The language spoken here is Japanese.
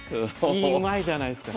いいうまいじゃないすか。